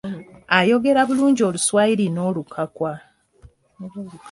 Ayogera bulungi Oluswayiri n'Olukakwa.